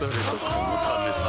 このためさ